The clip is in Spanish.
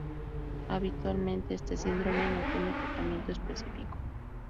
Habitualmente, este síndrome no tiene tratamiento específico.